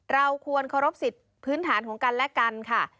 เราควรเคารพสิทธิ์พื้นฐานของกันและกันค่ะ